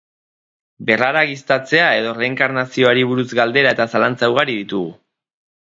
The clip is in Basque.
Berraragiztatzea edo reenkarnazioari buruz galdera eta zalantza ugari ditugu.